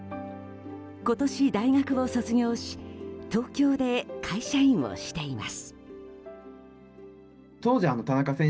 今年、大学を卒業し東京で会社員をしています。